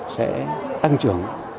sẽ tăng trưởng